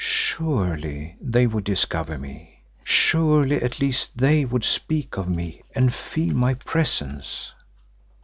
Surely they would discover me. Surely at least they would speak of me and feel my presence.